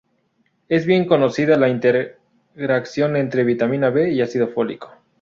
Es bien conocida la interacción entre vitamina B y ácido fólico.